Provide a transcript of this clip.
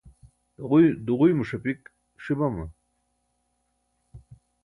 duġuymo ṣapik ṣi bama?